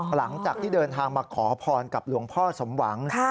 หลังจากที่เดินทางมาขอพรกับหลวงพ่อสมหวัง